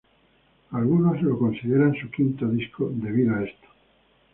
Algunos lo consideran su quinto disco debido a esto.